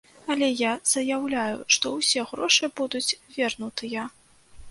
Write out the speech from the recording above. Але я заяўляю, што ўсе грошы будуць вернутыя.